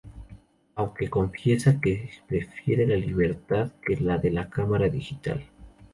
Aunque confiesa que prefiere la libertad que le da la cámara digital.